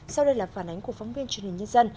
sau đây là phản ánh của phóng viên truyền hình nhân dân